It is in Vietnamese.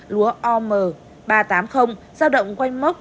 lúa om ba trăm tám mươi giao động quanh mốc bảy năm trăm linh